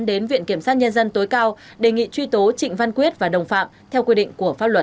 đến viện kiểm sát nhân dân tối cao đề nghị truy tố trịnh văn quyết và đồng phạm theo quy định của pháp luật